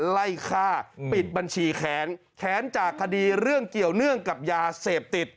ไล่ฆ่าปิดบัญชีแค้นแค้นจากคดีเรื่องเกี่ยวเนื่องกับยาเสพติด